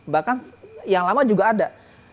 bahkan yang lama juga ada